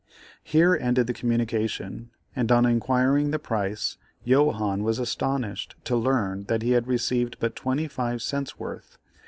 Here ended the communication, and, on inquiring the price, Johannes was astonished to learn that he had received but twenty five cents' worth.